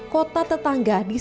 kota tetangga diselamatkan